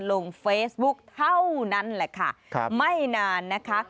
ลงเฟซบุ๊กเท่านั้นแหละค่ะครับไม่นานนะคะ